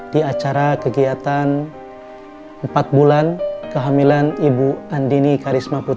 di acara kegiatan empat bulan kehamilan ibu andini karisma putri